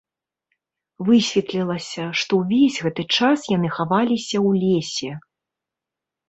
Высветлілася, што ўвесь гэты час яны хаваліся ў лесе.